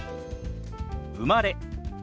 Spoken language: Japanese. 「生まれ」。